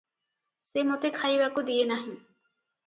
ସେ ମୋତେ ଖାଇବାକୁ ଦିଏନାହିଁ ।